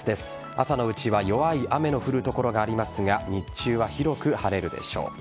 朝のうちは弱い雨の降る所がありますが日中は広く晴れるでしょう。